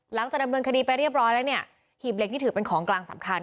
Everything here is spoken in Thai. หลังจากดำเนินคดีไปเรียบร้อยแล้วเนี่ยหีบเหล็กนี่ถือเป็นของกลางสำคัญ